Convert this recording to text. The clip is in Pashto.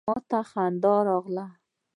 ما ته خندا راغله.